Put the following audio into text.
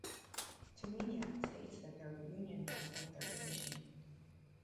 Tumminia states that their union brought forth their "mission".